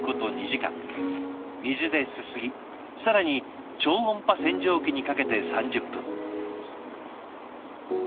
水ですすぎ更に超音波洗浄機にかけて３０分。